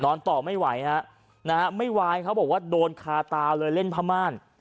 ต่อไม่ไหวฮะนะฮะไม่ไหวเขาบอกว่าโดนคาตาเลยเล่นพม่าน